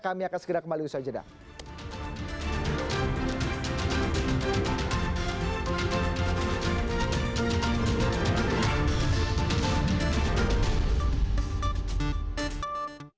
kami akan segera kembali bersajar